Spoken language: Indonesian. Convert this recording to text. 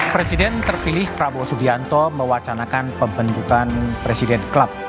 presiden terpilih prabowo subianto mewacanakan pembentukan presiden klub